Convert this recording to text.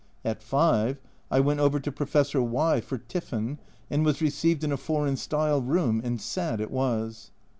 At 5 I went over to Professor Y " for tiffin," and was received in a foreign style room, and sad it was.